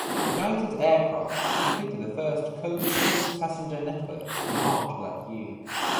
United Aircraft completed the first coast-to-coast passenger network in March of that year.